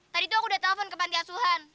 tadi tuh aku udah telepon ke pantiasuhan